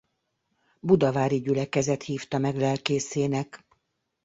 Budavári gyülekezet hívta meg lelkészének.